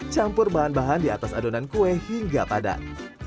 campur bahan bahan di atas adonan kue hingga padat